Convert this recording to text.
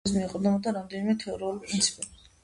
უნიფორმიზმი ეყრდნობოდა რამდენიმე თეორიულ პრინციპებს.